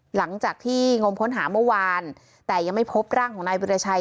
หลังจากที่งมค้นหาเมื่อวานแต่ยังไม่พบร่างของนายวิราชัย